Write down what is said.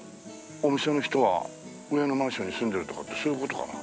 お店の人は上のマンションに住んでるとかってそういう事かな？